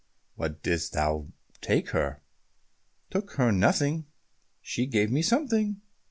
"What didst thou take her?" "Took her nothing, she gave me something."